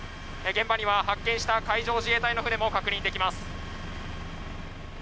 現場には発見した海上自衛隊の船も確認できます。